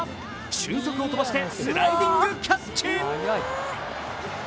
俊足を飛ばしてスライディングキャッチ。